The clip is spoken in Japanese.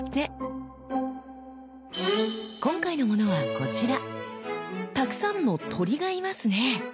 今回のものはこちらたくさんの鳥がいますね。